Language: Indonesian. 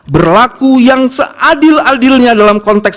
berlaku yang seadil adilnya dalam konteks